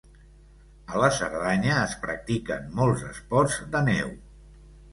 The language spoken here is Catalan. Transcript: A la Cerdanya es practiquen molts esports de neu.